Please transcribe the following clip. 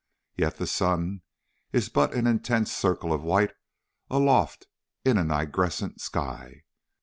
Yet the sun is but an intense circle of white aloft in a nigrescent sky.